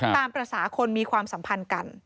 ตามภาษาคนมีความสัมพันธ์กัน